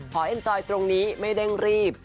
พอเอ็นจอยตรงนี้ไม่ได้รีบ